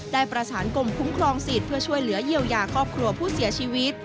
ได้ประสานกรมคุ้มครองสิทธิ์เพื่อช่วยเหลือเยียวยาครอบครัวผู้เสียชีวิต